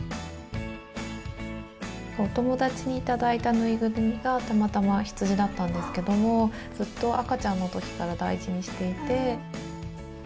お友達に頂いたぬいぐるみがたまたま羊だったんですけどもずっと赤ちゃんの時から大事にしていて。